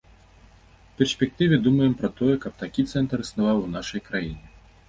У перспектыве думаем пра тое, каб такі цэнтр існаваў і ў нашай краіне.